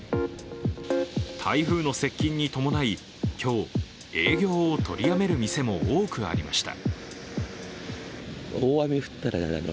台風の接近に伴い、今日、営業を取りやめる店も多くありました。